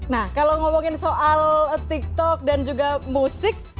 nah kalau ngomongin soal tiktok dan juga musik